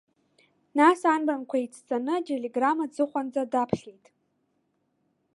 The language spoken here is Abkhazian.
Нас анбанқәа еицҵаны ателеграмма аҵыхәанӡа даԥхьеит.